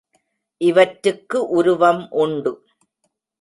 இவற்றுக்கு உருவம் உண்டு.